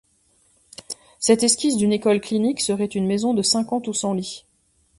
Cette esquisse d’une école clinique, serait une maison de cinquante ou cent lits.